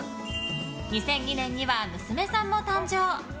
２００２年には娘さんも誕生。